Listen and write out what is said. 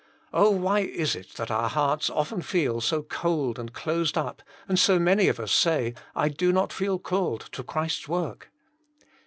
Oh, why is it that our hearts often feel so cold and closed up, and so many of us say, <* I do not feel called to Christ's work"